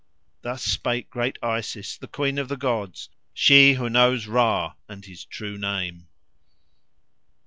Thus spake great Isis, the queen of the gods, she who knows Ra and his true name.